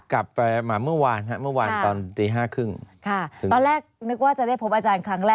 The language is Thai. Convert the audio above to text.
กลับมาเมื่อวานครับตอนตีห้าครึ่ง